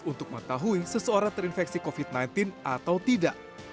untuk mengetahui seseorang terinfeksi covid sembilan belas atau tidak